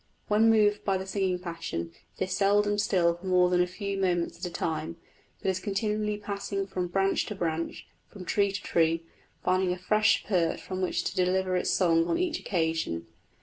When moved by the singing passion it is seldom still for more than a few moments at a time, but is continually passing from branch to branch, from tree to tree, finding a fresh perch from which to deliver its song on each occasion.